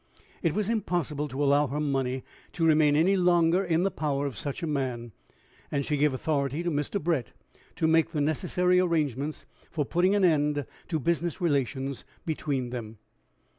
It was impossible to allow her money to remain any longer in the power of such a man, and she gave authority to Mr. Brett to make the necessary arrangements for putting an end to business relations between them.